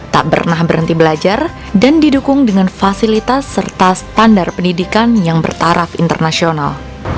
tak pernah berhenti belajar dan didukung dengan fasilitas serta standar pendidikan yang bertaraf internasional